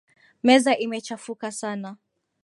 Meza imechafuka sana.